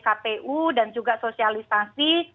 kpu dan juga sosialisasi